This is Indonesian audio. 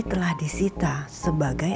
telah disita sebagai